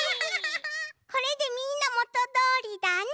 これでみんなもとどおりだね。